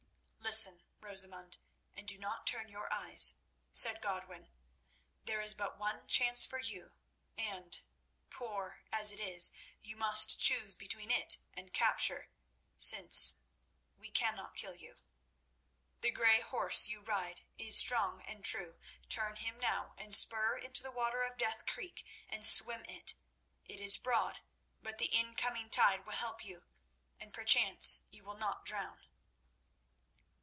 "Listen, Rosamund, and do not turn your eyes," said Godwin. "There is but one chance for you, and, poor as it is, you must choose between it and capture, since we cannot kill you. The grey horse you ride is strong and true. Turn him now, and spur into the water of Death Creek and swim it. It is broad, but the incoming tide will help you, and perchance you will not drown."